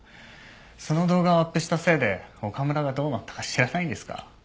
その動画をアップしたせいで岡村がどうなったか知らないんですか？